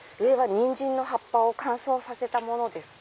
ニンジンの葉っぱを乾燥させたものです。